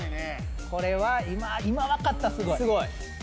これは今分かったらすごい。